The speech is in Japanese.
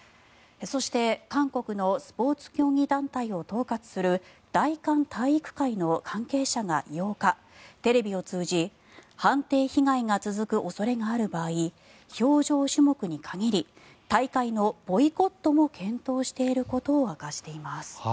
そして、韓国のスポーツ競技団体を統括する大韓体育会の関係者が８日テレビを通じ判定被害が続く恐れがある場合氷上種目に限り大会のボイコットも検討していることを明かしています。